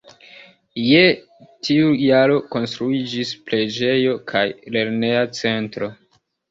Je tiu jaro konstruiĝis preĝejo kaj lerneja centro.